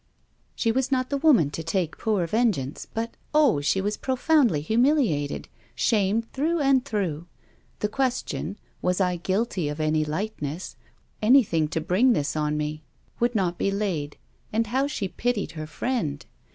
She was not the woman to take poor vengeance. But, Oh! she was profoundly humiliated, shamed through and through. The question, was I guilty of any lightness anything to bring this on me? would not be laid. And how she pitied her friend!